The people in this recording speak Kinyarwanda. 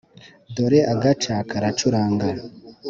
dore agaca karacuranga,